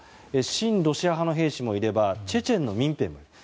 親ロシア派の兵士もいればチェチェンの民兵もいる。